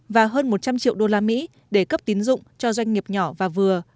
và hơn một trăm linh triệu usd để cấp tín dụng cho doanh nghiệp nhỏ và vừa